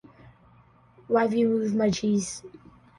Why've you moved my cheese?